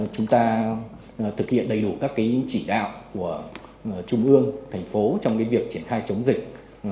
chúng ta thực hiện đầy đủ các chỉ đạo của trung ương thành phố trong việc triển khai chống dịch